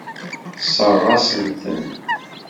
Tessṛeɣ-asent-ten.